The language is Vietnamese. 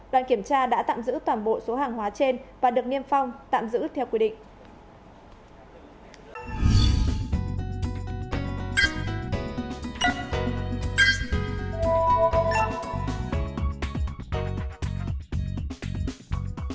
đoàn kiểm tra đã tạm giữ toàn bộ số hàng hóa trên và được niêm phong tạm giữ theo quy định